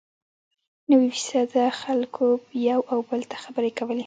نوي فیصده خلکو یو او بل ته خبرې کولې.